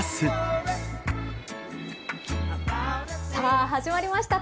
さあ、始まりました。